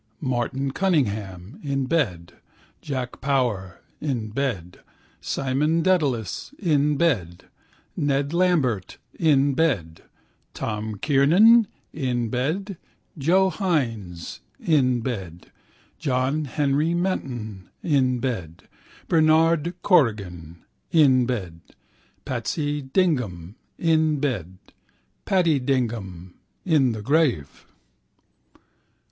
Martin Cunningham (in bed), Jack Power (in bed), Simon Dedalus (in bed), Ned Lambert (in bed), Tom Kernan (in bed), Joe Hynes (in bed), John Henry Menton (in bed), Bernard Corrigan (in bed), Patsy Dignam (in bed), Paddy Dignam (in the grave).